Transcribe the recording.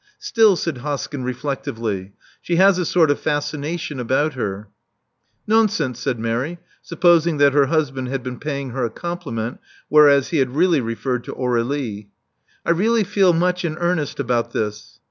"Still," said Hoskyn reflectively, "she has a sort of fascination about her." "Nonsense," said Mary, supposing that her husband had been paying her a compliment, whereas he had really referred to Aur^lie. "I feel very much in earnest about this.